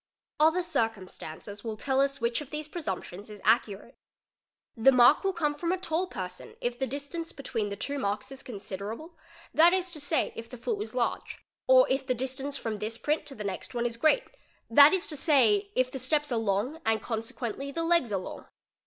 Other circumstances will tell us which of these pre "sumptions is accurate. The mark will come from a tall person if the 'distance between the two marks is considerable, that is to say, if the foot was large; or if the distance from this print to the next one is great, 'that is to say, if the steps are long and consequently the legs are long.